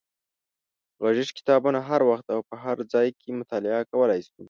غږیز کتابونه هر وخت او په هر ځای کې مطالعه کولای شو.